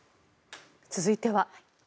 続いては。